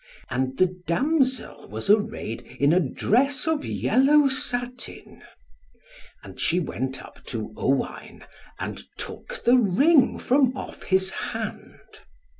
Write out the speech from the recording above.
And the damsel was arrayed in a dress of yellow satin. And she went up to Owain, and took the ring from off his hand.